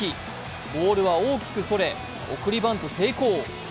ボールは大きくそれ、送りバント成功。